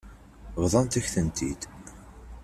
Bḍant-ak-tent-id.